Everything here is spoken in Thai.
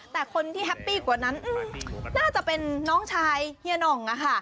แต่คนที่แฮปปี้กว่านั้นน่าจะเป็นน้องชายเฮียหน่องนะคะ